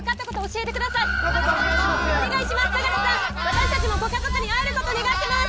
私たちもご家族に会えることを願ってます！